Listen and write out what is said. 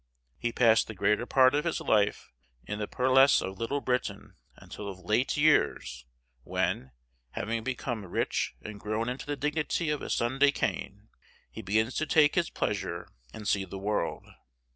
He passed the greater part of his life in the purlieus of Little Britain until of late years, when, having become rich and grown into the dignity of a Sunday cane, he begins to take his pleasure and see the world.